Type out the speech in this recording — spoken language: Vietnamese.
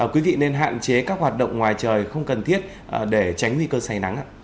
quý vị nên hạn chế các hoạt động ngoài trời không cần thiết để tránh nguy cơ say nắng